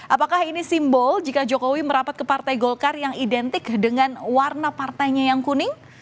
apakah ini simbol jika jokowi merapat ke partai golkar yang identik dengan warna partainya yang kuning